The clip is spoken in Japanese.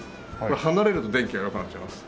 離れると電気が弱くなっちゃいます。